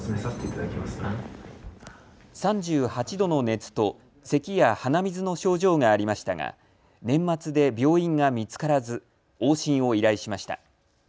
３８度の熱とせきや鼻水の症状がありましたが年末で病院が見つからず往診を依頼しました。